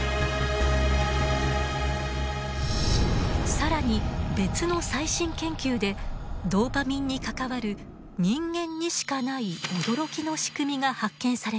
更に別の最新研究でドーパミンに関わる人間にしかない驚きの仕組みが発見されました。